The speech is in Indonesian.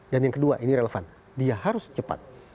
dan yang kedua ini relevan dia harus cepat